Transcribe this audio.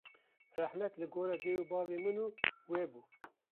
rehmet li gora dê û bavên min û we bû